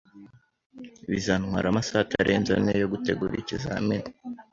Bizantwara amasaha atarenze ane yo gutegura ikizamini.